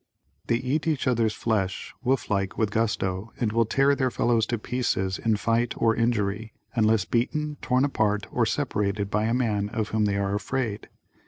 They eat each other's flesh wolf like with gusto and will tear their fellows to pieces in fight or injury, unless beaten, torn apart or separated by a man of whom they are afraid.